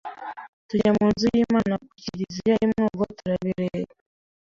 tujya mu nzu y’Imana ku kiriziya I mwogo turabireba